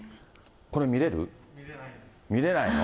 これ、見れる？見れないの？